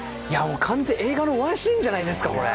完全に映画のワンシーンじゃないですか。